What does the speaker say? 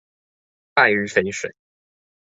敗於淝水